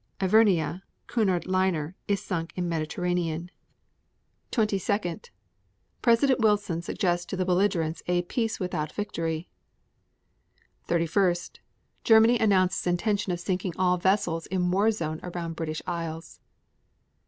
1. Ivernia, Cunard liner, is sunk in Mediterranean. 22. President Wilson suggests to the belligerents a 'peace without victory.' 31. Germany announces intention of sinking all vessels in war zone around British Isles.